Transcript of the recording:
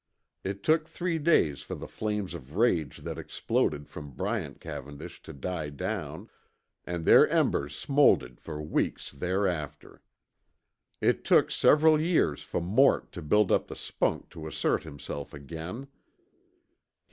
It took three days for the flames of rage that exploded from Bryant Cavendish to die down, and their embers smoldered for weeks thereafter. It took several years for Mort to build up the spunk to assert himself again.